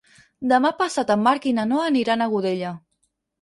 Demà passat en Marc i na Noa aniran a Godella.